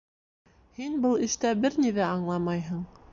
Һин был эштә бер ни ҙә аңламайһың.